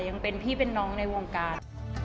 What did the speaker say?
ยังเป็นพี่เป็นน้องในวงการ